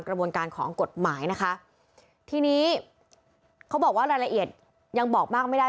กระบวนการของกฎหมายนะคะทีนี้เขาบอกว่ารายละเอียดยังบอกมากไม่ได้